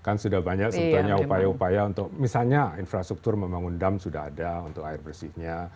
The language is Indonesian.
kan sudah banyak sebetulnya upaya upaya untuk misalnya infrastruktur membangun dam sudah ada untuk air bersihnya